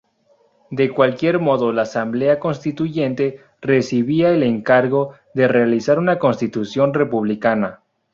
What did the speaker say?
De cualquier modo, la Asamblea Constituyente recibía el encargo de realizar una constitución republicana.